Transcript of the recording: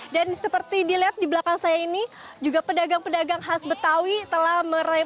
dan seperti dilihat di belakang saya ini juga pedagang pedagang khas betawi telah meraih